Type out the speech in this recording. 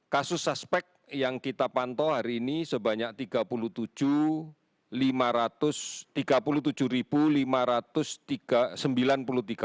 kasus suspek yang kita pantau hari ini sebanyak tiga orang